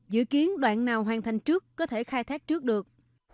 dự kiến đoạn nào hoàn thành trước có thể khai thác trước được